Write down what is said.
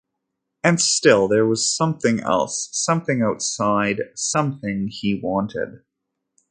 And still there was something else, something outside, something he wanted.